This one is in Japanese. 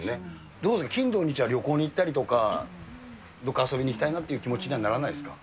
どうですか、金土日は旅行に行ったりだとか、どっか遊びにいきたいなみたいな気持ちにはならないですか。